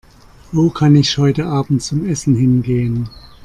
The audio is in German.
Wo kann ich heute Abend zum Essen hingehen?